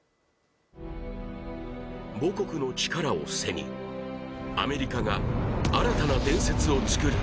母国の力を世に、アメリカが新たな伝説を作る。